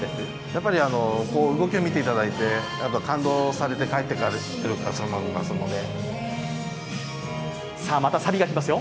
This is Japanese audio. やはり動きを見ていただいて感動されて帰っていかれるお客様もいらっしゃるので。